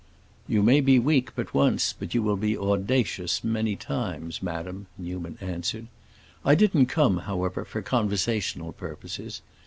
"You may be weak but once, but you will be audacious many times, madam," Newman answered. "I didn't come however, for conversational purposes.